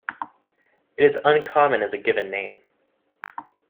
It is uncommon as a given name.